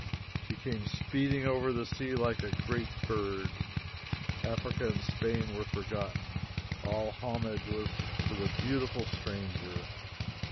She came speeding over the sea like a great bird. Africa and Spain were forgotten. All homage was for the beautiful stranger.